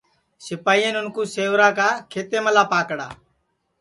سپائین اُن کُو سیوراکا کھیتیملا پاکڑا